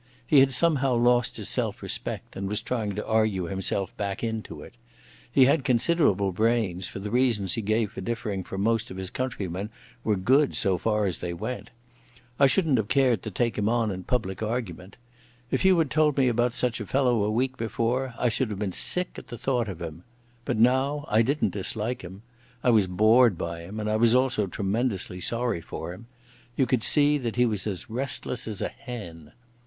He had somehow lost his self respect and was trying to argue himself back into it. He had considerable brains, for the reasons he gave for differing from most of his countrymen were good so far as they went. I shouldn't have cared to take him on in public argument. If you had told me about such a fellow a week before I should have been sick at the thought of him. But now I didn't dislike him. I was bored by him and I was also tremendously sorry for him. You could see he was as restless as a hen.